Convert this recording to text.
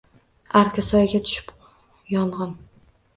Аrksaroyga tushib yongʼin